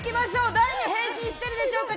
誰に変身しているでしょうか。